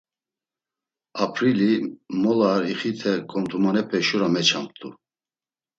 Ap̌rili, mola ar ixite gomtumanepe şura meçamt̆u.